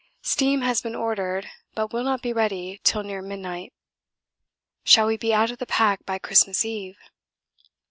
Steam has been ordered but will not be ready till near midnight. Shall we be out of the pack by Christmas Eve?